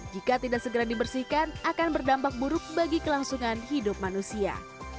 jika tidak segera dibersihkan akan berdampak buruk bagi kelangsungan hidup manusia